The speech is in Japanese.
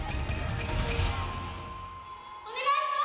お願いします！